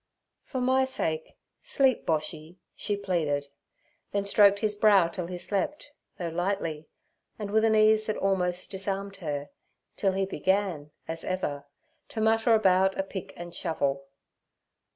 'For my sake, sleep, Boshy' she pleaded, then stroked his brow till he slept, though lightly, and with an ease that almost disarmed her, till he began, as ever, to mutter about a pick and shovel.